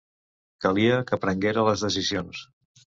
Calia que prenguera les decisions.